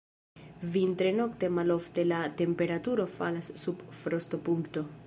Vintre nokte malofte la temperaturo falas sub frostopunkto.